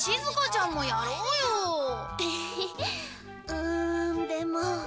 うんでも。